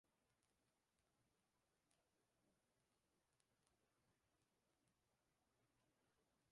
Se encontró en una ruina, pero ha sido recientemente renovado.